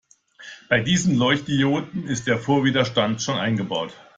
Bei diesen Leuchtdioden ist der Vorwiderstand schon eingebaut.